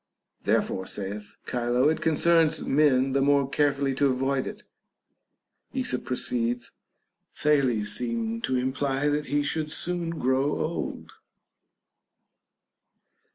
Therefore, saith Chilo, it concerns men the more carefully to avoid it. Esop pro ceeds, Thales seemed to imply that he should soon grow old.